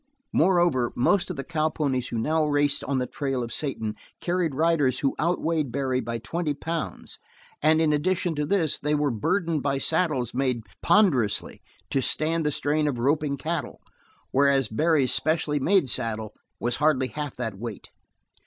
Moreover, most of the cowponies who now raced on the trail of Satan carried riders who outweighed Barry by twenty pounds and in addition to this they were burdened by saddles made ponderously to stand the strain of roping cattle, whereas Barry's specially made saddle was hardly half that weight.